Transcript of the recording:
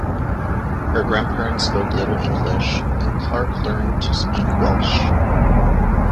Her grandparents spoke little English and Clark learned to speak Welsh.